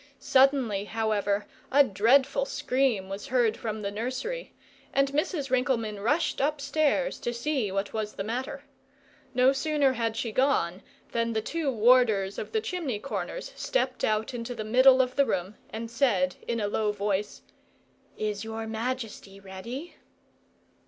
Suddenly, however, a dreadful scream was heard from the nursery, and Mrs. Rinkelmann rushed upstairs to see what was the matter. No sooner had she gone than the two warders of the chimney corners stepped out into the middle of the room, and said, in a low voice, "Is your majesty ready?"